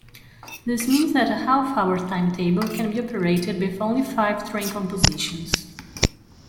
This means that a half-hour timetable can be operated with only five train compositions.